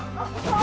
あ！